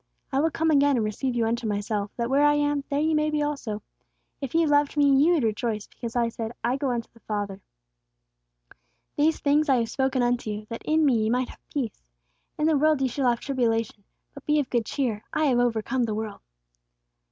I will come again, and receive you unto myself; that where I am, there ye may be also.... If ye loved me, ye would rejoice, because I said, I go unto the Father.... These things I have spoken unto you, that in me ye might have peace. In the world ye shall have tribulation: but be of good cheer; I have overcome the world."